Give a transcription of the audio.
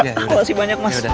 makasih banyak mas